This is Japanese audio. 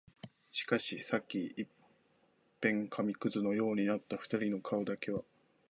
しかし、さっき一片紙屑のようになった二人の顔だけは、